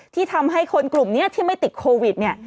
ที่ทำให้คนกลุ่มนี้ที่ไม่ติดโควิดเนี่ย